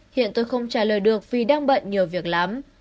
hiện tôi không trả lời được vì đang bận nhiều việc lắm